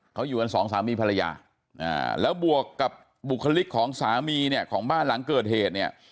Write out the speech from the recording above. เขาอยู่กันสองสามีภรรยาแล้วบวกกับบุคลิกของสามีเนี่ยของบ้านหลังเกิดเหตุเนี่ย